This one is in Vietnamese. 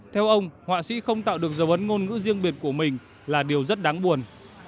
theo ông họa sĩ không tạo được dấu ấn ngôn ngữ riêng biệt của mình là điều rất đáng buồn